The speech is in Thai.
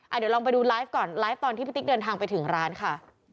เดี๋ยวลองไปดูไลฟ์ก่อนไลฟ์ตอนที่พี่ติ๊กเดินทางไปถึงร้านค่ะ